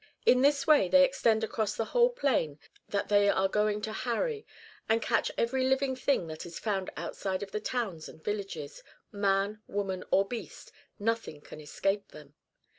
In this way they extend across the whole plain that they are going to harry, and catch every living thing that is found outside of the towns and villages ; man, woman, or beast, nothing can escape them